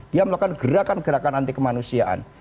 dia melakukan gerakan gerakan anti kemanusiaan